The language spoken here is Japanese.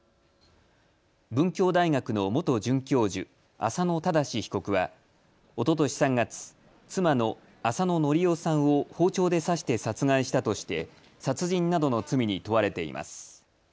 文教大学の元准教授、浅野正被告はおととし３月妻の浅野法代さんを包丁で刺して殺害したとして殺人などの罪に問われています。